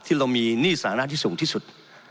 ที่เรามีหนี้สาระที่สูงที่สุด